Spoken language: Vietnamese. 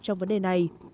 trong vấn đề này